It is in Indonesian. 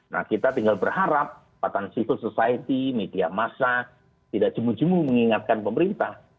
nah kita tinggal berharap kekuatan masyarakat media massa tidak jemuh jemuh mengingatkan pemerintah